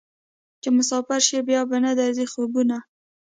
چې مسافر شې بیا به نه درځي خوبونه